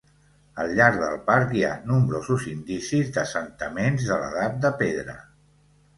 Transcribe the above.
Al llarg del parc hi ha nombrosos indicis d'assentaments de l'Edat de Pedra.